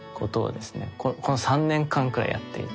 この３年間くらいやっていて。